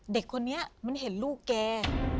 เด็กคนนี้มันเห็นลูกแก